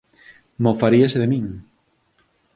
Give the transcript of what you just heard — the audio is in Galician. Mofaríase de min.